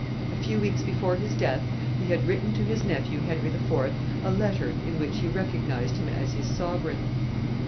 A few weeks before his death he had written to his nephew Henry IV. a letter in which he recognized him as his sovereign.